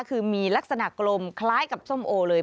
คือมีลักษณะกลมคล้ายกับส้มโอเลย